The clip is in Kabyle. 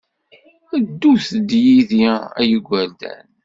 Ddut-d yid-i a igerdan.